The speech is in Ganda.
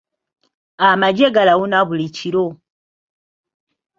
Amagye galawuna buli kiro.